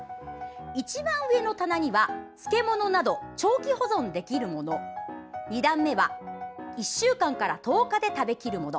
一番上の棚には漬物など長期保存できるもの２段目は１週間から１０日で食べきるもの